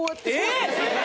えっ！